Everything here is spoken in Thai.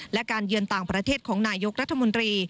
และการเยือนต่างประเทศของนายกรัฐมนตรี